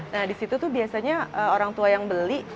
nah di situ tuh biasanya orang tua yang beli